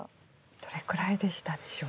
どれくらいでしたでしょう？